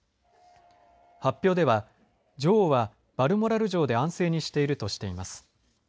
発表では女王はバルモラル城で安静にしているとしています。